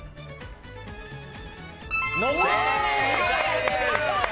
正解です。